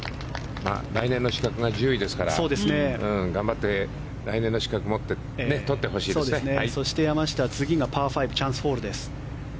来年の資格が１０位ですから頑張って来年の資格をそして、山下は次がパー５チャンスホールです。